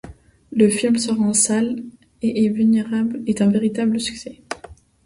Le film sort en salles et est un véritable succès.